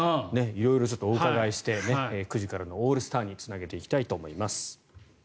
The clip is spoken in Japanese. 色々お伺いして９時からのオールスターにつなげていきたいと思います。